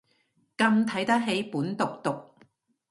咁睇得起本毒毒